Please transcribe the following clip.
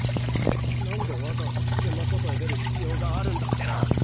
なんでわざわざ危険な外へ出る必要があるんだってな！